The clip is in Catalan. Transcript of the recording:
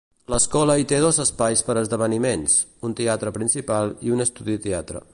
L'escola hi té dos espais per a esdeveniments, un teatre principal i un estudi teatre.